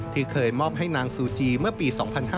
เคยมอบให้นางซูจีเมื่อปี๒๕๕๙